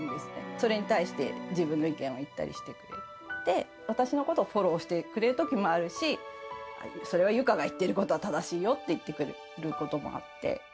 それに対して、自分の意見を言ったりしてて、私のことをフォローしてくれることもあるし、それはユカが言ってることが正しいよって言ってくれることもあって。